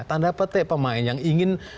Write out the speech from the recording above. tanda petik pemain yang ingin